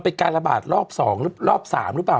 มีการระบาดรอบสองรอบสามหรือเปล่า